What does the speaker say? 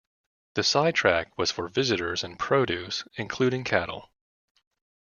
The side track was for visitors and produce including cattle.